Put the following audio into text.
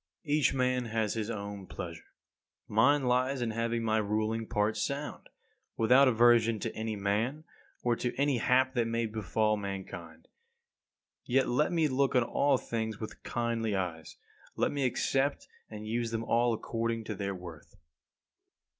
43. Each man has his own pleasure. Mine lies in having my ruling part sound; without aversion to any man, or to any hap that may befall mankind. Yet let me look on all things with kindly eyes. Let me accept and use them all according to their worth.